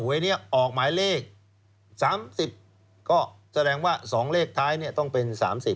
วันนี้ออกหมายเลข๓๐ก็แสดงว่า๒เลขท้ายต้องเป็น๓๐